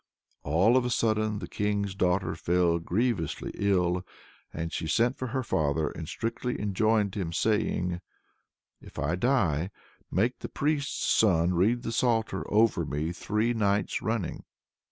All of a sudden the King's daughter fell grievously ill, and she sent for her father, and strictly enjoined him, saying "If I die, make the priest's son read the psalter over me three nights running."